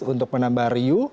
untuk menambah riuh